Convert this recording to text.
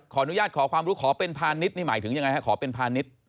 ขออนุญาตขอความรู้ขอเป็นพาณิชย์นี่หมายถึงยังไงฮะขอเป็นพาณิชย์